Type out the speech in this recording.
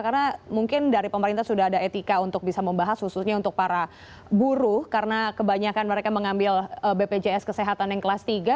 karena mungkin dari pemerintah sudah ada etika untuk bisa membahas khususnya untuk para buruh karena kebanyakan mereka mengambil bpjs kesehatan yang kelas tiga